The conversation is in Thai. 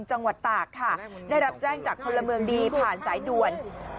จังหวัดตากค่ะได้รับแจ้งจากพลเมืองดีผ่านสายด่วน